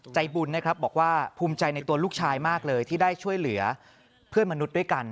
ใจบุญนะครับบอกว่าภูมิใจในตัวลูกชายมากเลยที่ได้ช่วยเหลือเพื่อนมนุษย์ด้วยกัน